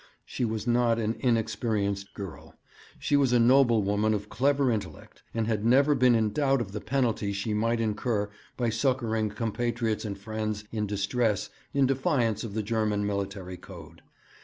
She was not an inexperienced girl, she was a noble woman of clever intellect, and had never been in doubt of the penalty she might incur by succouring compatriots and friends in distress in defiance of the German military code.